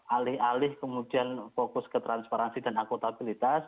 alih alih kemudian fokus ke transparansi dan akutabilitas